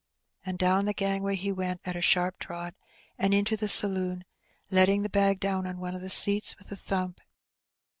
And down the gangway he went at a sharp trot, and into the saloon, letting the bag down on one of the seats with a thump.